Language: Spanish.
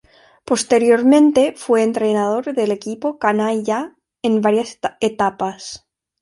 Posteriormente fue entrenador del equipo "canalla" en varias etapas.